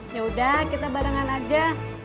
ya udah kita barengan aja